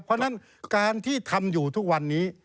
เพราะฉะนั้นการที่ทำอยู่ทุกวันนี้